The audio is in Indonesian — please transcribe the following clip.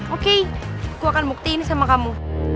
oke gue akan bukti ini sama kamu